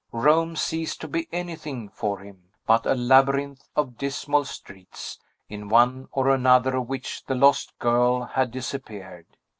Rome ceased to be anything, for him, but a labyrinth of dismal streets, in one or another of which the lost girl had disappeared.